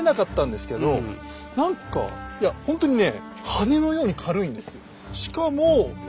何かいやほんとにね